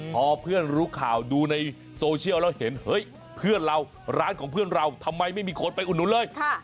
พอเพื่อนรู้ข่าวดูในโซเชียลแล้วเห็นเฮ้ยเพื่อนเราร้านของเพื่อนเราทำไมไม่มีคนไปอุดหนุนเลย